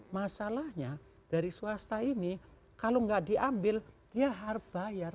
masalahnya dari swasta ini kalau nggak diambil dia harus bayar